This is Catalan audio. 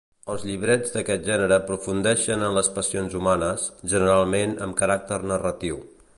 Els llibrets d'aquest gènere aprofundeixen en les passions humanes, generalment amb caràcter narratiu.